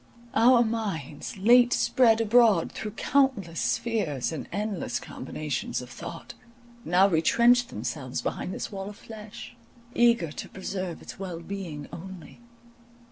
Our minds, late spread abroad through countless spheres and endless combinations of thought, now retrenched themselves behind this wall of flesh, eager to preserve its well being only.